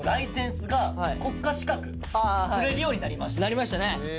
なりましたね。